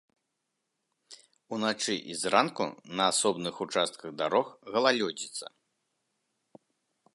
Уначы і зранку на асобных участках дарог галалёдзіца.